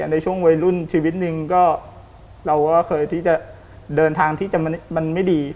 ในช่วงวัยรุ่นชีวิตหนึ่งก็เราก็เคยที่จะเดินทางที่มันไม่ดี